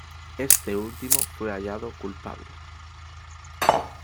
Este último fue hallado culpable.